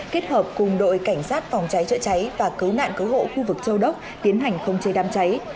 kết hợp cùng đội cảnh sát phòng cháy chữa cháy và cứu nạn cứu hộ khu vực châu đốc tiến hành không chế đám cháy